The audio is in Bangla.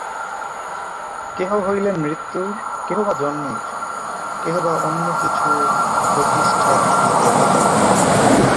কেহ হইলেন মৃত্যুর, কেহ বা জন্মের, কেহ বা অন্যকিছুর অধিষ্ঠাত্রী দেবতা।